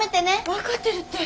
分かってるって。